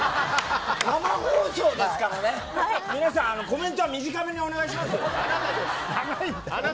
生放送だからコメントは短めにお願いします。